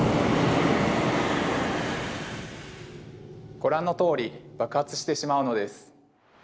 ご覧のとおり爆発してしまうのです。